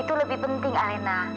itu lebih penting alena